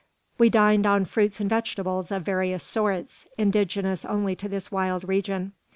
We dined on fruits and vegetables of various sorts, indigenous only to this wild region.